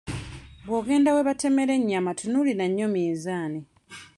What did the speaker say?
Bw'ogenda we batemera ennyama tunuulira nnyo minzaani.